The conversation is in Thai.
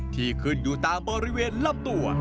ที่ขึ้นอยู่ตามบริเวณลำตัว